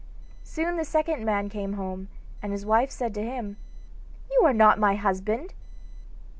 Soon the second man came home, and his wife said to him: 'You are not my husband!